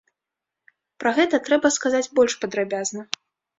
Пра гэта трэба сказаць больш падрабязна.